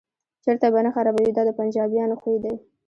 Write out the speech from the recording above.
چرت به نه خرابوي دا د پنجابیانو خوی دی.